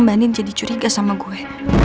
mbak nin jadi curiga sama gue